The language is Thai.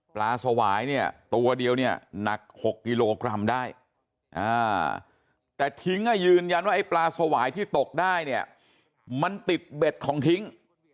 สวายเนี่ยตัวเดียวเนี่ยหนัก๖กิโลกรัมได้แต่ทิ้งยืนยันว่าไอ้ปลาสวายที่ตกได้เนี่ยมันติดเบ็ดของทิ้ง